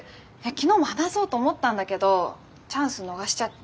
昨日も話そうと思ったんだけどチャンス逃しちゃって。